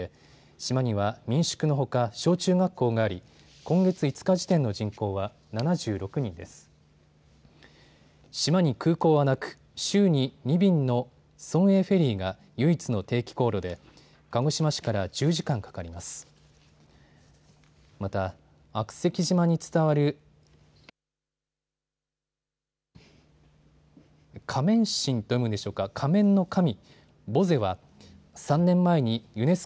島に空港はなく、週に２便の村営フェリーが唯一の定期航路で鹿児島市から１０時間かかります。